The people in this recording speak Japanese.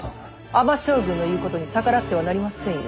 尼将軍の言うことに逆らってはなりませんよ。